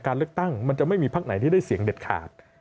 การเลือกตั้งมันจะไม่มีพักไหนที่ได้เสียงเด็ดขาด